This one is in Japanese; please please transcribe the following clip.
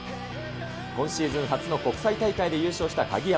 今シーズン初の国際大会で優勝した鍵山。